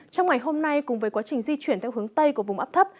trong ngày hôm nay cùng với quá trình di chuyển theo hướng tây của vùng áp thấp